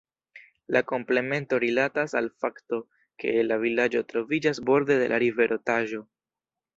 La komplemento rilatas al fakto ke la vilaĝo troviĝas borde de la rivero Taĵo.